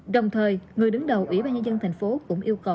đồng thời người đứng đầu ủy ban nhân dân thành phố cũng yêu cầu